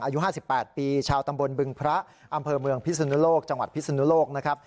อายุ๕๘ปีชาวตำบลบึงพระอำเภอเมืองพิศนุโลกจังหวัดพิศนุโลกนะครับ